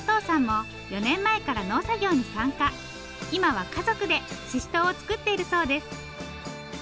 今は家族でししとうを作っているそうです。